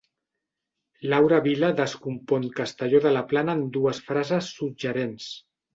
Laura Vila descompon Castelló de la Plana en dues frases suggerents.